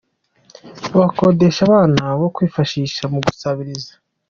Bakodesha abana bo kwifashisha mu gusabiriza.